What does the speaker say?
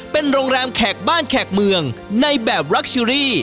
เป็นโรงแรมแขกบ้านแขกเมืองในแบบรักชิรี